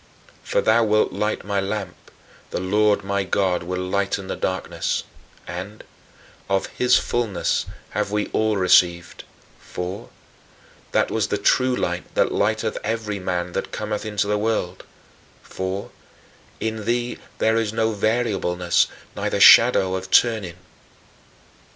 "For thou wilt light my lamp; the Lord my God will lighten my darkness"; and "of his fullness have we all received," for "that was the true Light that lighteth every man that cometh into the world"; for "in thee there is no variableness, neither shadow of turning."